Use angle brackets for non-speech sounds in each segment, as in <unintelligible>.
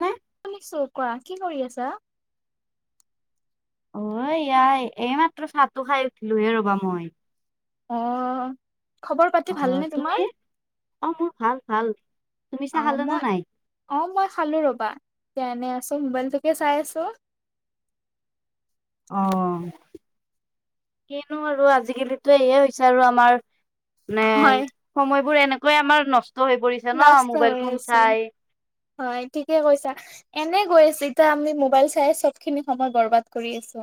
হে কি চ কৰা কি কৰি আছা? অ এয়া সেই এইমাত্ৰ চাহটো খাই উঠিলোহে ৰবা মই। অ। খবৰ পাতি অ ভালনে তোমাৰ তুমি অ মোৰ ভাল ভাল। তুমি অ চাহ খালা নে মই নাই? অ মই খালো ৰবা, এতিয়া এনেই আছো মোবাইলটোকে চাই আছো। অ, কিনো আৰু আজিকালিতো এয়ে হৈছে আৰু আমাৰ। নে হয় সময়বোৰ এনেকৈয়ে আমাৰ নষ্ট হৈ পৰিছে ন, নষ্ট মোবাইল হৈ ফোন আছে চাই। হয় ঠিকে কৈছা। এনে গৈ আছে, এতিয়া আমি মোবাইল চাই চব খিনি সময় বৰবাদ কৰি আছো।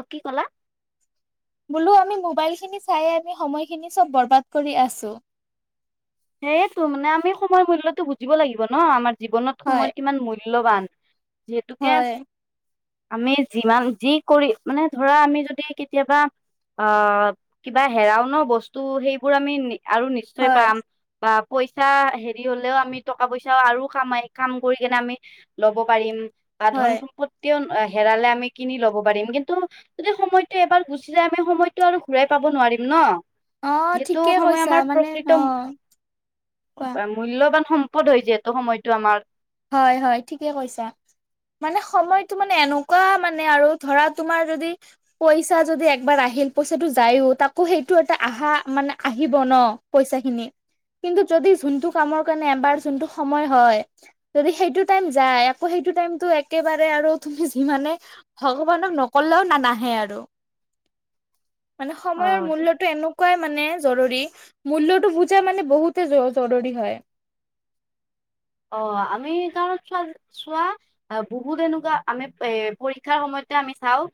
অ কি কলা? বোলো আমি মোবাইল খিনি চাই আমি সময়খিনি চব বৰবাদ কৰি আছো। সেয়েতো মানে আমি সময়ৰ মূল্যটো বুজিব লাগিব ন, আমাৰ জীৱনত হয় সময়ৰ কিমান মূল্যবান। যিহেতুকে- হয় আমি যিমান যি কৰি মানে ধৰা আমি যদি কেতিয়াবা, অ কিবা হেৰাও ন বস্তু সেইবোৰ আমি আৰু নিশ্চয় হয় পাম, বা পইচা হেৰি হলেও আমি টকা পইচাও আৰু কামাই কাম কৰি কেনে আমি - ল'ব পাৰিম বা হয় ধন সম্পত্তিও হেৰালে আমি কিনি লব পাৰিম। কিন্তু যদি সময়টো এবাৰ গুচি যায় আমি সময়টো আৰু ঘূৰাই পাব নোৱাৰিম ন। অ যিহেতু ঠিকে সময় কৈছা আমাৰ মানে অ প্ৰকৃত কোৱা মূল্যবান সম্পদ হয় যিহেটো সময়তো আমাৰ। হয় হয় ঠিকে কৈছা। মানে সময়তো মানে এনেকোৱা মানে আৰু ধৰা তোমাৰ যদি, পইচা যদি একবাৰ আহিল পইচাটো যায়ো, তাকো সেইটো এটা আহা মানে আহিব ন। পইচা খিনি কিন্তু যদি যোনটো কামৰ কাৰণে এবাৰ যোনটো সময় হয় যদি সেইটো টাইম যায়, আকৌ সেইটো টাইমটো একেবাৰে আৰু তুমি যিমানে ভগৱানক নকলেও না নাহে আৰু মানে সময়ৰ অ মূল্যতো এন- কোৱাই মানে জৰুৰী মূল্যটো বুজাই মানে বহুতে জৰুৰী হয়। অ আমি কাৰণ চোৱা চোৱা অহ বহুত এনেকোৱা আমি এ পৰীক্ষাৰ সময়তে আমি চাওঁ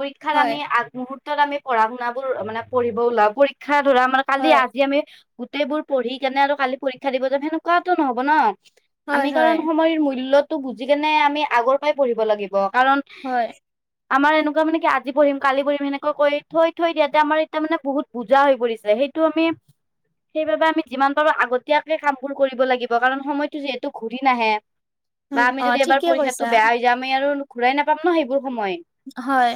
পৰীক্ষাত হয় আমি আগমুহূৰ্তত আমি পঢ়া শুনাবোৰ মানে পঢ়িব ওলাও পৰীক্ষা ধৰা আমাৰ কালি হয় আজি আমি গোটেইবোৰ পঢ়ি কেনে আৰু কালি পৰীক্ষা দিব যাম সেনেকোৱাতো নহব ন। হয় আমি হয় কাৰণ সময়ৰ মূল্যটো বুজি কেনে আমি আগৰ পৰাই পঢ়িব লাগিব। কাৰণ হয়। আমাৰ এনেকোৱা মানে আজি পঢ়িম, কালি পঢ়িম এনেকৈ কৈ থৈ থৈ দিয়াতে আমাৰ এতিয়া মানে বহুত, বোজা হৈ পৰিছে সেইটো আমি সেইবাবে আমি যিমান পাৰো আগতীয়াকে কামবোৰ কৰিব লাগিব কাৰণ সময় তো যিহেতু ঘূৰি নাহে হয় বা অ আমি যদি এবাৰ ঠিকে কৈছা পৰীক্ষাতো বেয়া হৈ এতিয়া আমি আৰু ঘূৰাই নাপাম ন সেইবোৰ সময়। হয়।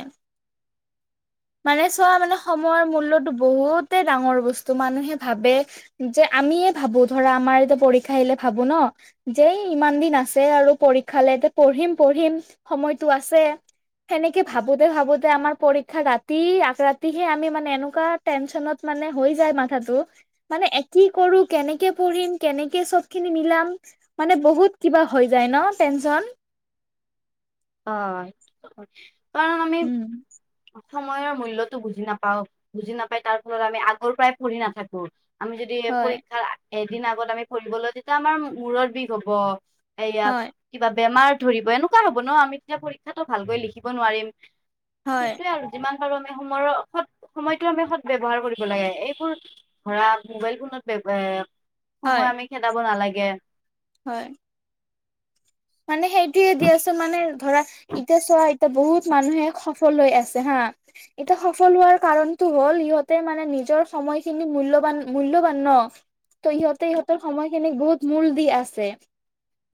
মানে চোৱা মানে সময়ৰ মূল্যতো বহুতে ডাঙৰ বস্তু মানুহে ভাবে যে আমিয়ে ভাবো ধৰা আমাৰ এতিয়া পৰীক্ষা আহিলে ভাবো ন যে ইমান দিন আছে আৰু পৰীক্ষালে যে পঢ়িম পঢ়িম সময়টো আছে। সেনেকে ভাবোতে ভাবোতে আমাৰ পৰীক্ষা ৰাত ৰাতি আগ ৰাতিহে আমি মানে এনেকোৱা টেনচনত মানে হৈ যায় মাথাটো, মানে কি কৰো কেনেকে পঢ়িম কেনেকে চব খিনি মিলাম মানে বহুত কিবা হৈ যায় ন টেনচন। হয়, কাৰণ আমি উম সময়ৰ মূল্যটো বুজি নাপাও, বুজি নাপাই তাৰ ফলত আমি আগৰ পৰাই পঢ়ি নাথাকোঁ। আমি যদি হয় পৰীক্ষাৰ এদিন আগত আমি পঢ়িব লও, তেতিয়া আমাৰ মূৰত বিষ হব। এয়া হয় কিবা বেমাৰ ধৰিব এনেকুৱা হব। ন আমি তেতিয়া পৰীক্ষাটো ভালকৈ লিখিব নোৱাৰিম, হয় সেইটোয়ে আৰু। যিমান পাৰো আমি সময়ৰ সৎ সময়টো আমি সদব্যৱহাৰ কৰিব লাগে এইবোৰ ধৰা মোবাইল ফোনত বে বে এ হয় সময় আমি খেদাব নালাগে। হয়। মানে সেইটোয়ে দিয়াছোন মানে ধৰা এতিয়া চোৱা ত বহুত মানুহে সফললৈ আছে হাঁ। এতিয়া সফল হোৱাৰ কাৰণটো হ'ল ইহঁতে মানে নিজৰ সময়খিনি মূল্যবান মূল্যবান ন। ত ইহঁতে ইহঁতৰ সময়খিনিক বহুত মূল দি আছে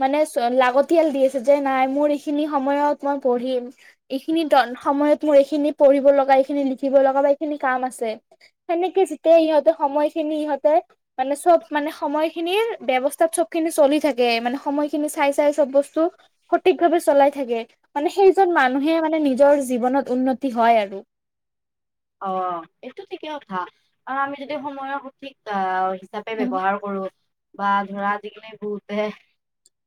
মানে ছ লাগ পঠিয়াল দি আছে যে নাই মোৰ এইখিনি সময়ত মই পঢ়িম। এইখিনি দল সময়ত মোৰ এইখিনি পঢ়িব লগা এইখিনি লিখিব লগা বা এইখিনি কাম আছে। সেনেকে যেতিয়া ইহঁতে সময় খিনি ইহঁতে মানে চব মানে সময়খিনিৰ ব্যৱস্তা চব খিনি চলি থাকে মানে সময়খিনি চাই চাই, চব বস্তু সঠিক ভাৱে চলাই থাকে মানে সেইজন মানুহে মানে নিজৰ জীৱনত উন্নতি হয় আৰু। অ এইটো থিকেই কথা অহ আমি যদি সময়ৰ সঠিক আহ হিচাপে ব্যৱহাৰ কৰো বা ধৰা যিখিনি বহুতে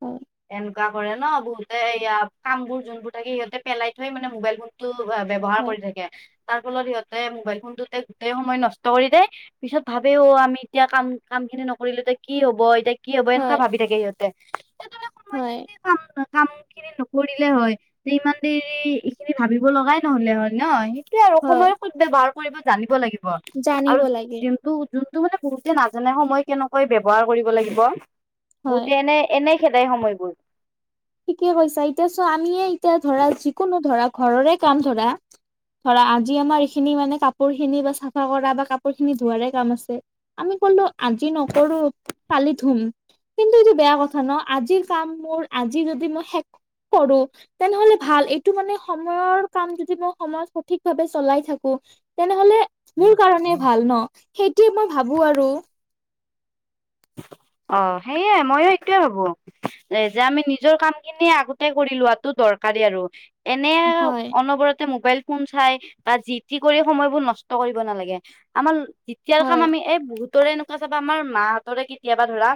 হয় এন বা কৰে ন বহুতে এয়া কামবোৰ যোনবোৰ থাকে সিহঁতে পেলাই থৈ মানে মোবাইল ফোন ব্যৱহাৰ কৰি থাকে তাৰ ফলত সিহঁতে মোবাইল ফোনটোতে গোটেই সময় নষ্ট কৰি দে পিছত ভাবেও আমি এতিয়া কাম কাম খিনি নকৰিলেএতিয়া কি হব এতিয়া কি হব হয় এনেকা ভাবি থাকে সিহঁতে। তেনেহলে সময়তে হয়। যদি কাম কাম খিনি নকৰিলে হয় যে ইমান দেৰি এইখিনি ভাবিব লগাই নহলে হয় ন। সেই আৰু হয় সময়ৰ সুত ব্যৱহাৰ কৰিব জানিব লাগিব আৰু জানিব লাগে যি টো যোনটো মানে বহুতে নাজানে সময় কেনেকৈ ব্যৱহাৰ কৰিব লাগিব হয় বহুতে এনেই এনেই খেদেই সময়বোৰ। ঠিকে কৈছা এতিয়া চ আমিয়ে এতিয়া ধৰা যিকোনো ধৰা ঘৰৰে কাম ধৰা ধৰা আজি আমাৰ এইখিনি মানে কাপোৰ খিনি বা চাফা কৰা বা কাপোৰ খিনি ধোৱাৰে কাম আছে আমি কলো আজি নকৰো কালি ধুম। কিন্তু এইটো বেয়া কথা ন আজিৰ কাম মোৰ আজি যদি মই শেষ কৰোঁ, তেনেহলে ভাল। এইটো মানে সময়ৰ কাম যদি মই সময়ত সঠিক ভাৱে চলাই থাকো, তেনেহলে মোৰ কাৰণে ভাল ন সেইটোৱে মই ভাবোঁ আৰু। অঁ সেইয়াই ময়ো এইটোৱে ভাবো। যে আমি নিজৰ কাম খিনি আগতে কৰি লোৱাটো দৰকাৰী আৰু। এনে আৰু হয় অনবৰতে মোবাইল ফোন চাই বা যি টি কৰি সময়বোৰ নষ্ট কৰিব নালাগে আমাৰ ল দি তিয়াৰ কাম হয় আমি এই বহুতৰে এনেকুৱা চাবা আমাৰ মাহঁতৰে কেতিয়াবা ধৰা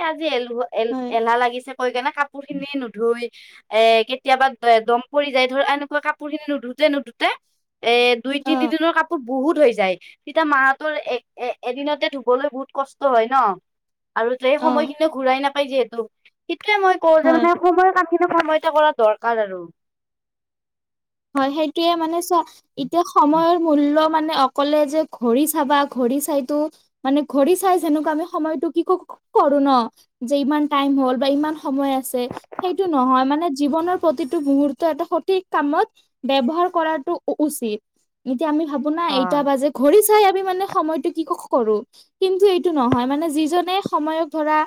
এ আজি এল ধু এল হয় এলাহ লাগিছে কৈ কেনা কাপোৰ খিনি নুধুই। এ কেতিয়াবা দম পৰি যায় ধৰ এনেকুৱা কাপোৰ খিনি নুধুতে নুধুতে। এ দুই অ তিনিদিনৰ কাপোৰ বহুত হৈ যায় তেতিয়া মাঁহতৰ এ এ এদিনতে ধুবলৈ বহুত কষ্ট হয় ন। আৰু সেই অ সময়খিনি ঘূৰাই নাপায় যিহেতু সেইটোয়ে মই কওঁ যে হয় মানে সময় কাম কিন্তু সময়টো কৰা দৰকাৰ আৰু। হয় সেইটোৱে মানে চোৱা। এতিয়া সময়ৰ মূল্য মানে অকলে যে ঘড়ী চাবা ঘড়ী চাইতো। মানে ঘৰি চাই যেনেকুৱা আমি সময়টো কি <unintelligible> কৰো ন', যে ইমান টাইম হ'ল বা ইমান সময় আছে। সেইটো নহয় মানে জীৱনৰ প্ৰতিটো মুহুৰ্ত এটা সঠিক কামত ব্যৱহাৰ কৰাটো উ-উচিত, এতিয়া আমি ভাবো না এইটা বাজেট ঘৰি চাই আমি মানে সময়টো কি <unintelligible> কৰো। কিন্তু এইটো নহয় মানে যিজনে সময়ক ধৰা,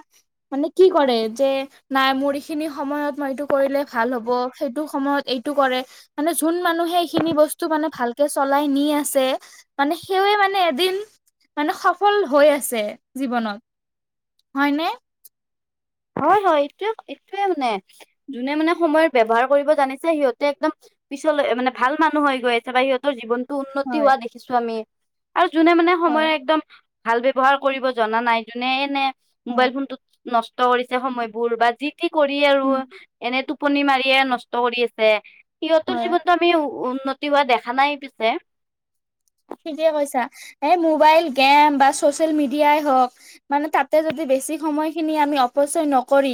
মানে কি কৰে যে নাই মোৰ ইখিনি সময়ত মই এইটো কৰিলে ভাল হব সেইটো সময়ত এইটো কৰে মানে যোন মানুহে এইখিনি বস্তু মানে ভালকে চলাই নি আছে। মানে সেৱে মানে এদিন, মানে সফল হৈ আছে জীৱনত। হয়নে? হয়, হয়, এইটোৱে এইটোৱে মানে যোনে মানে সময়ত ব্যৱহাৰ কৰিব জানিছে সিহঁতে একদম পিছলৈ মানে ভাল মানুহ হৈ গৈ আছে বা সিহঁতৰ জীৱন উন্নতি হয় হোৱা দেখিছো আমি, আৰু যোনে মানে সময়ৰ হয় একদম ভাল ব্যৱহাৰ কৰিব জনা নাই যোনে এনে, মোবাইল হয় ফোনটোত নষ নষ্ট কৰিছে সময়বোৰ বা যি টি কৰি আৰু, এনে টোপনি মাৰিয়ে নষ্ট কৰি আছে। সিহঁতৰ হয় জীৱনতো আমি উ-উন্নতি হোৱা দেখা নাই পিছে। ঠিকে কৈছা, এ মোবাইল, গেম বা ছচিয়েল মিডিয়াই হওঁক। মানে তাতে যদি বেছি সময় খিনি আমি অপচয় নকৰি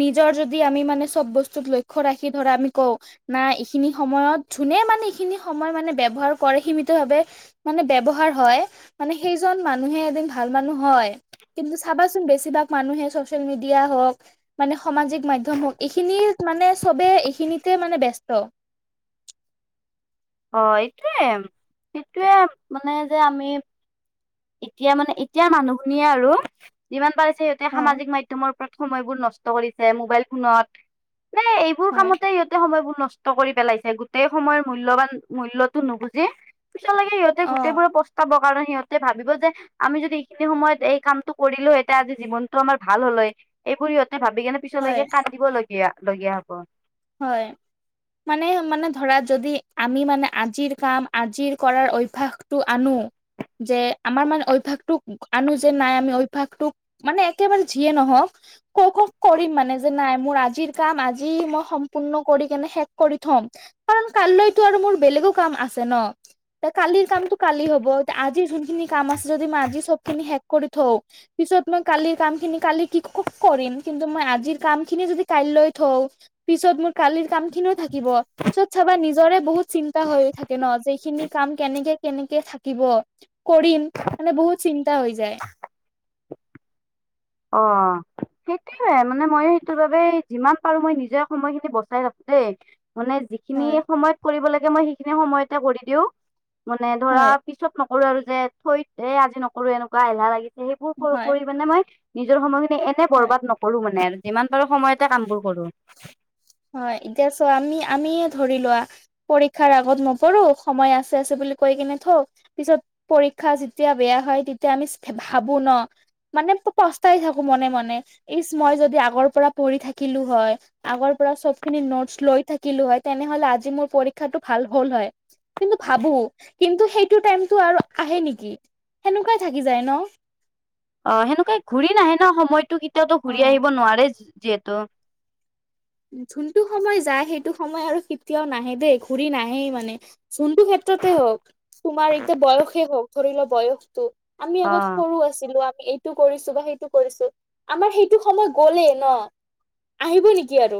নিজৰ যদি আমি মানে চব বস্তুত লক্ষ্য ৰাখি ধৰা আমি কওঁ। না ইখিনি সময়ত যোনে মানে এইখিনি সময় মানে ব্যৱহাৰ কৰে সীমিত ভাৱে মানে ব্যৱহাৰ হয়, মানে সেইজন মানুহে এদিন ভাল মানুহ হয়। কিন্তু চাবাচোন বেছিভাগ মানুহে ছচিয়েল মিডিয়া হওঁক। মানে সামাজিক মাধ্যম হওঁক এইখিনিত মানে চবে এইখিনিতে মানে ব্যস্ত। অ', এইটোৱে এইটোৱে মানে যে আমি এতিয়া মানে এতিয়া মানুহখিনিয়ে আৰু, যিমান পাৰিছে সিহঁতে অ সামাজিক মাধ <unintelligible> প্ৰথম সময়বোৰ নষ্ট কৰিছে মোবাইল ফোনত, মানে এইবোৰ হয় কামতে সিহঁতে সময়বোৰ নষ্ট। নষ্ট কৰি পেলাইছে গোটেই সময়ৰ মূল্যবান মূল্যটো নুবুজি, পিছলৈকে সিহঁতে অ গোটেইবোৰে পচ পাব কাৰণে সিহঁত তে ভাবিব যে আমি যদি এইখিনি সময়ত এই কামটো কৰিলো এতিয়া আজি জীৱনতটো আমাৰ ভাল হ'ল হয়। এইবোৰ সিহঁতে ভাবি কেনে হয় পিছলৈকে কান্দিব লগীয়া লগগীয়া হ'ব। হয়, মানে মানে ধৰা যদি আমি মানে আজিৰ কাম আজিৰ কৰাৰ অভ্যাসটো আনো। যে আমাৰ মানে অভ্যাসটোক আনো যে নাই আমি অভ্যাসটোক মানে একেবাৰে যিয়ে নহওঁক। ক-ক কৰিম মানে যে নাই মোৰ আজিৰ কাম আজি মই সম পূৰ্ণ কৰি কেনে শেষ কৰি থম, কাৰণ কালিলৈতো আৰু মোৰ বেলেগো কাম আছে ন'? তে' কালিৰ কামটো কালি হ'ব আজি যোনখিনি কাম আছে যদি আমি আজি সবখিনি শেষ কৰি থওঁ পিছত মই কালিৰ কাম খিনি কালি কি ক-কৰিম কিন্তু মই আজিৰ কাম খিনি যদি কাইলৈ থওঁ পিছত মোৰ কালিৰ কাম খিনিও থাকিব, পিছত চাবা নিজৰে বহুত চিন্তা হৈ থাকে ন'। যে এইখিনি কাম কেনেকে কেনেকে থাকিব, কৰিম, মানে বহুত চিন্তা হৈ যায়। <unintelligible> অ', সেইটোৱে মানে মই সেইটোৰ বাবে যিমান পাৰো মই নিজে সময়খিনি বচাই ৰাখছোৱে। মানে যিখিনি হয় সময়ত কৰিব লাগে মই সেইখিনি সময়তে কৰি দিওঁ, মানে ধৰা হয় পিছত নকৰো আৰু যে থৈত এ আজি নকৰোঁ এনেকুৱা এলাহ লাগিছে সেইবোৰ কৰি হয় কৰি মানে মই নিজৰ সময়খিনি এনে হয়। বৰবাদ নকৰো মানে যিমান পাৰো সময়তে কামবোৰ কৰোঁ। হয়, এতিয়া চোৱা আমি আমিয়ে ধৰি লোৱা পৰীক্ষাৰ আগত নপৰো, সময় আছে আছে বুলি কৈ কিনে থও। পিছত পৰীক্ষা যেতিয়া বেয়া হয় তেতিয়া আমি ভাবো ন, মানে পস্তাই থাকো মনে মনে। ইচ মই যদি আগৰ পৰা পঢ়ি থাকিলো হয়, আগৰ পৰা চবখিনি নোটছ লৈ থাকিলো হয় তেনেহলে আজি মোৰ পৰীক্ষাটো ভাল হ'ল হয়। কিন্তু ভাবো কিন্তু সেইটো টাইমতটো আৰু আহে নেকি সেনেকুৱাই থাকি যায় ন? অ সেনেকুৱাই ঘূৰি নাহে ন সময়তো কেতিয়াওতো অ ঘূৰি আহিব নোৱাৰে যিহেঁতু। যোনটো সময় যায় সেইটো সময় আৰু কেতিয়াও নাহে দেই ঘূৰি নাহেই মানে। যোৱাটো ক্ষেত্ৰতেই হওঁক তোমাৰ এতিয়া বয়সেই হওঁক ধৰিল বয়সটো। আমি আগত অ সৰু আছিলোঁ। এইটো কৰিছো বা সেইটো কৰিছো আমাৰ সেইটো সময় গলেই ন। আহিব নেকি? কি আৰু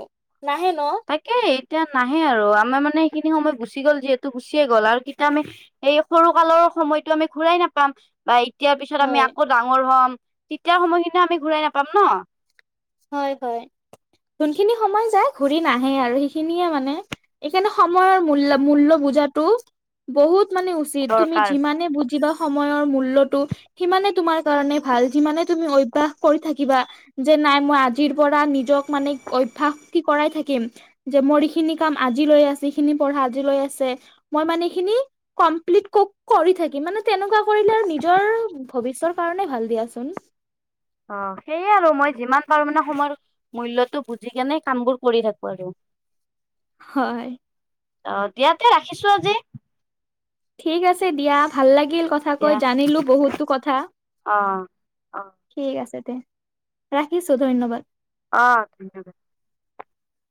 নাহে ন। তাকে এতিয়া নাহে আৰু আমাৰ মানে সেইখিনি সময় গুচি গ'ল যিহেতু গুচিয়ে গ'ল আৰু তেতিয়া আমি। সেই সৰু কালৰ সময়তো আমি ঘূৰাই নাপাম বা, তেতিয়াৰ পিছত আমি হয় আকৌ ডাঙৰ হম, তেতিয়াৰ সময়খিনি আমি ঘূৰাই নাপাম ন। হয় হয়, যোনখিনি সময় যায় ঘূৰি নাহে আৰু সেইখিনিয়ে মানে, এইকাৰণে সময়ৰ মূল্য মূল্য বুজাটো, বহুত মানে উচিত তুমি দৰকাৰ যিমানে বুজিবা সময়ৰ মূল্যটো, সিমানে তোমাৰ কাৰণে ভাল, যিমানে তুমি অভ্যাস কৰি থাকিবা যে নাই, মই আজিৰ পৰা নিজক মানে অভ্যাস কি কৰাই থাকিম। যে মোৰ এইখিনি কাম আজিলৈ আছে, সেইখিনি পঢ়া আজিলৈ আছে, মই মানে এইখিনি, কমপ্লিট কৰি থাকি, মানে তেনেকুৱা কৰিলে আৰু নিজৰ, ভৱিষ্যতৰ কাৰণে ভাল দিয়াচোন। অ সেইয়াই আৰু মই যিমান পাৰো মানে সময়ৰ মূল্যটো বুজি কেনে কামবোৰ কৰি থাকো আৰু হয়। অ দিয়াতে ৰাখিছো আজি। ঠিক আছে দিয়া ভাল লাগিল কথা কৈ, দিয়া জানিলো বহুতো কথা। অ অ ঠিক আছে দে ৰাখিছো ধন্যবাদ। অ ধন্যবাদ।